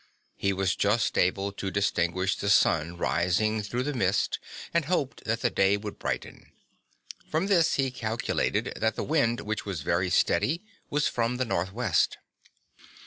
He was just able to distinguish the sun rising through the mist and hoped that the day would brighten. From this he calculated that the wind which was very steady was from the northwest.